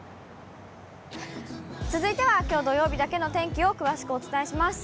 続いてはきょう土曜日だけの天気を詳しくお伝えします。